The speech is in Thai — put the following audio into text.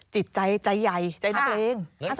จิตใจใจใยใจนักเล่ง